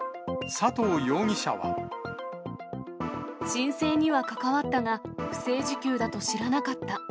申請には関わったが、不正受給だと知らなかった。